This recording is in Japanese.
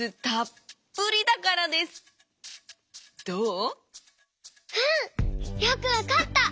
うん！よくわかった！